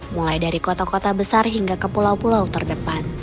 mulai dari kota kota besar hingga ke pulau pulau terdepan